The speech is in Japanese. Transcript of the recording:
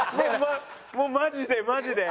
もうマジでマジで。